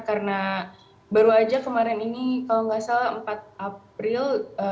karena baru saja kemarin ini kalau tidak salah empat april